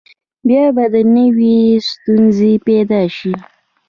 بیا به نوي ستونزې پیدا شي.